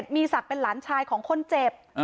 มีศักดิ์เป็นหลานชายของคนเจ็บ